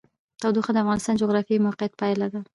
تودوخه د افغانستان د جغرافیایي موقیعت پایله ده.